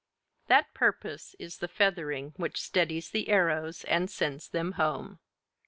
That purpose is the feathering which steadies the arrows and sends them home.